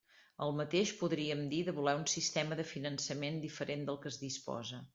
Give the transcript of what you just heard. El mateix podríem dir de voler un sistema de finançament diferent del que es disposa.